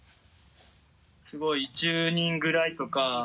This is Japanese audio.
すごい１０人ぐらいとか。